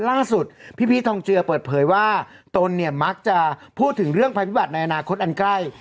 ล่าสุดพี่พีชทองเจือเปิดเผยว่าตนเนี่ยมักจะพูดถึงเรื่องภัยพิบัติในอนาคตอันใกล้